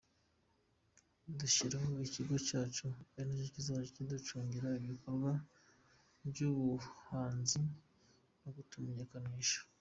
Dushyiraho ikigo cyacu ari nacyo kizajya kiducungira ibikorwa by’ubuhanzi no kutumenyekanisha.